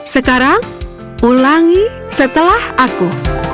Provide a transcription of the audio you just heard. sekarang ulangi setelah aku